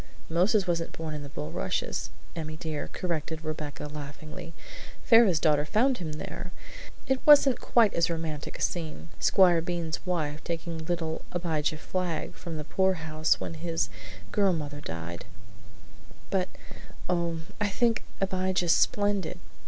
"Moses wasn't born in the bulrushes, Emmy dear," corrected Rebecca laughingly. "Pharaoh's daughter found him there. It wasn't quite as romantic a scene Squire Bean's wife taking little Abijah Flagg from the poorhouse when his girl mother died, but, oh, I think Abijah's splendid!